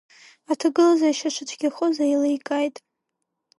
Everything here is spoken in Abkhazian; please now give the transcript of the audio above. Аҭагылазаашьа шыцәгьахоз еиликааит.